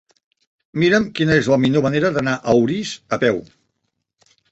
Mira'm quina és la millor manera d'anar a Orís a peu.